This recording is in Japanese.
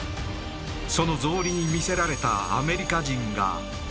その草履に魅せられたアメリカ人がいた。